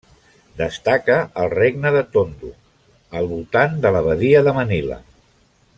Destaca el Regne de Tondo, al voltant de la Badia de Manila.